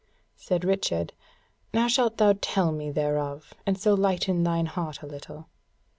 Said Richard: "Now shalt thou tell me thereof, and so lighten thine heart a little."